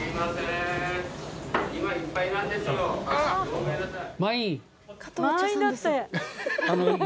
ごめんなさい。